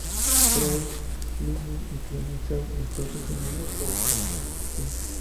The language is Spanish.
Freud, Lenin y Clemenceau, entre otros, tenían una reproducción en su oficina.